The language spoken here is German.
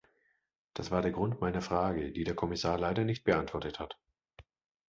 Das war der Grund meiner Frage, die der Kommissar leider nicht beantwortet hat.